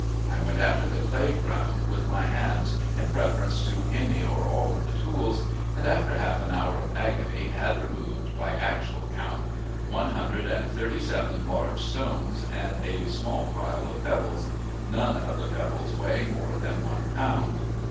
I went after the clay ground with my hands in preference to any or all of the tools, and after half an hour of agony had removed, by actual count, one hundred and thirty seven large stones and a small pile of pebbles, none of the pebbles weighing more than one pound.